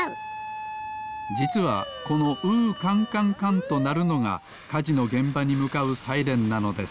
じつはこの「うーかんかんかん」となるのがかじのげんばにむかうサイレンなのです。